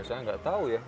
saya nggak tahu ya